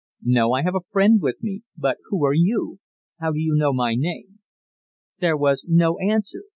"No, I have a friend with me. But who are you? How do you know my name?" There was no answer.